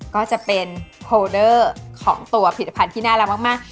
ก็จะเป็นโฮลเดอร์ของตัวผิดสะพานที่น่ารักมาก